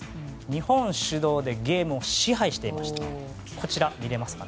日本主導でゲームを支配していました。